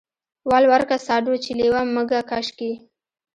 ول ورکه ساډو چې لېوه مږه کش کي.